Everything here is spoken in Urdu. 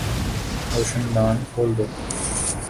روشن دان کھول دو